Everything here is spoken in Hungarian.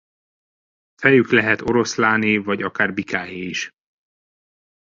Fejük lehet oroszláné vagy akár bikáé is.